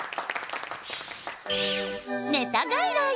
ネタ外来。